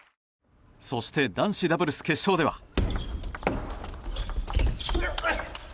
そして男子ダブルス決勝では。